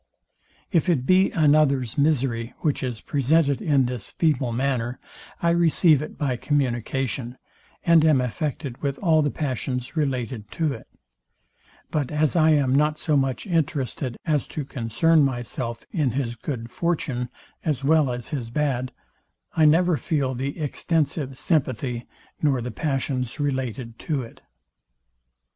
If it be another's misery, which is presented in this feeble manner, I receive it by communication, and am affected with all the passions related to it: But as I am not so much interested as to concern myself in his good fortune, as well as his bad, I never feel the extensive sympathy, nor the passions related to it.